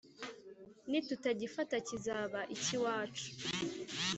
Nitutagifata kizaba iki iwacu?